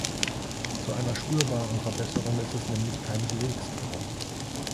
Zu einer spürbaren Verbesserung ist es nämlich keineswegs gekommen.